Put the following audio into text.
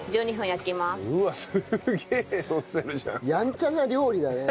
やんちゃな料理だね。